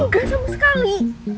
gak sama sekali